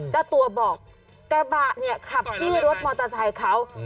เจ้าตัวบอกกระบะเนี่ยขับจี้รถมอเตอร์ไซค์เขา